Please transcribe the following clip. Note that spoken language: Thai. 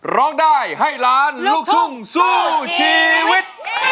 ร้องได้ให้ล้านลูกทุ่งสู้ชีวิต